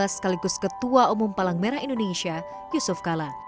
sekaligus ketua umum palang merah indonesia yusuf kala